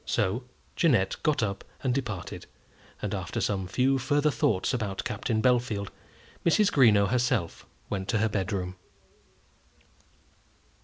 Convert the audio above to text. So Jeannette got up and departed, and after some few further thoughts about Captain Bellfield, Mrs. Greenow herself went to her bedroom.